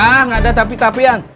nah gak ada tapi tapian